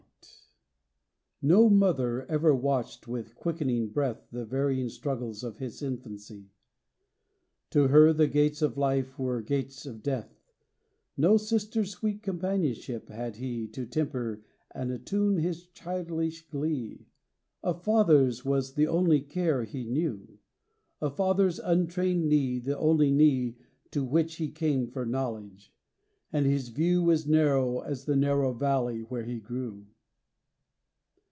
CHRISTMAS EVE II. No mother ever watched with quickening breath The varying struggles of his infancy: To her the gates of Hfe were gates of death; No sister's sweet companionship had he To temper and attune his childish glee. A father's was the only care he knew; A father's untrained knee the only knee To which he came for knowledge. And his view Was narrow as the narrow valley where he grew.